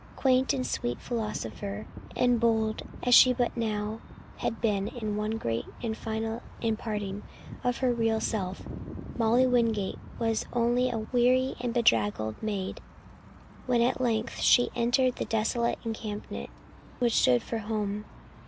Quaint and sweet philosopher, and bold as she but now had been in one great and final imparting of her real self, Molly Wingate was only a wet, weary and bedraggled maid when at length she entered the desolate encampment which stood for home.